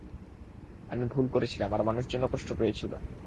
আমি ভুল করেছিলাম, আর মানুষজনও কষ্ট পেয়েছিল।